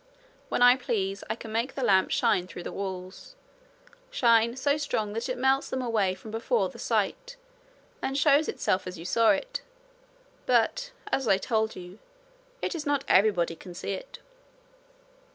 'When I please I can make the lamp shine through the walls shine so strong that it melts them away from before the sight, and shows itself as you saw it. But, as I told you, it is not everybody can see it.'